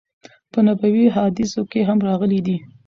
په نبوی حادثو کی هم راغلی دی